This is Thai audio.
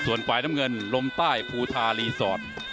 ส่วนฝ่ายน้ำเงินลมใต้ภูทารีสอร์ท